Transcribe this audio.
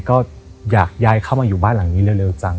ก็อยากย้ายเข้ามาอยู่บ้านหลังนี้เร็วจัง